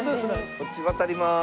こっち渡ります。